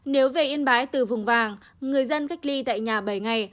nếu về yên bái từ vùng vàng người dân cách ly tại nhà bảy ngày